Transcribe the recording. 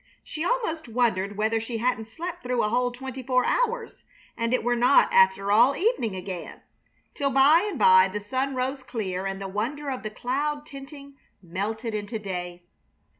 She almost wondered whether she hadn't slept through a whole twenty four hours, and it were not, after all, evening again, till by and by the sun rose clear and the wonder of the cloud tinting melted into day.